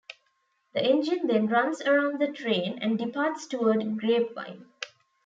The engine then runs around the train, and departs toward Grapevine.